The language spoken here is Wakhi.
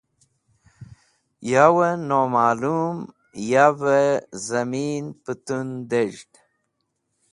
Yawẽ nomalum yavẽ zẽmin pẽtun dezhd.